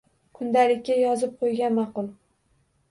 Kundalikka yozib qo’ygan ma’qul.